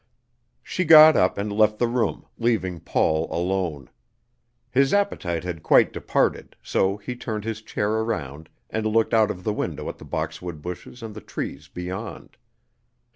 She got up and left the room, leaving Paul alone. His appetite had quite departed, so he turned his chair around and looked out of the window at the boxwood bushes and the trees beyond.